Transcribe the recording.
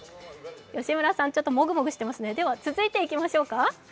吉村さん、ちょっともぐもぐしてますね、では続いていきましょうか。